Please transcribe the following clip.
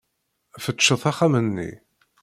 Fettcet axxam-nni.